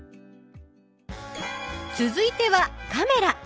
続いてはカメラ。